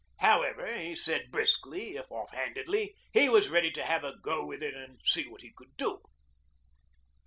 However, he said briskly, if off handedly, he was ready to have a go with it and see what he could do.